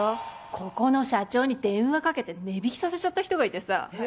ここの社長に電話かけて値引きさせちゃった人がいてさ